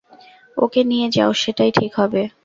ওকে নিয়ে যাও, সেটাই ঠিক হবে।